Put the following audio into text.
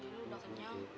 tidur udah kenyang